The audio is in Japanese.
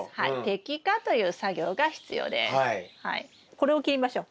これを切りましょう。